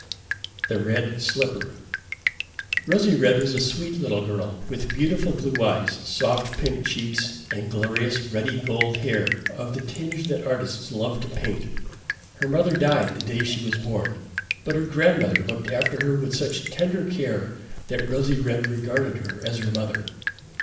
The Red Slipper Rosy red was a sweet little girl, with beautiful blue eyes, soft pink cheeks and glorious ruddy gold hair of the tinge that artists love to paint. Her mother died the day she was born, but her grandmother looked after her with such tender care that Rosy red regarded her as her mother.